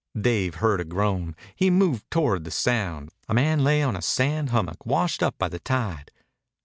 Dave heard a groan. He moved toward the sound. A man lay on a sand hummock, washed up by the tide.